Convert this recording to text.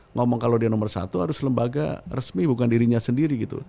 ngomong kalau dia nomor satu harus lembaga resmi bukan dirinya sendiri gitu